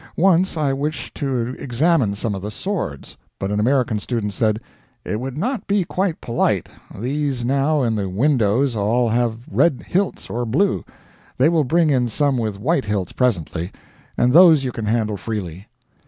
Once I wished to examine some of the swords, but an American student said, "It would not be quite polite; these now in the windows all have red hilts or blue; they will bring in some with white hilts presently, and those you can handle freely."